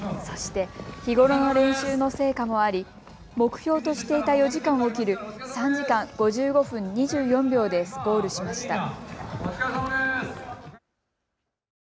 そして日頃の練習の成果もあり目標としていた４時間を切る３時間５５分２４秒でゴールしました。